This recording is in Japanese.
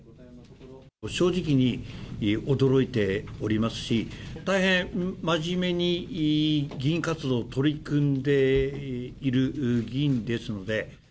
正直に、驚いておりますし、大変真面目に議員活動、取り組んでいる議員ですので。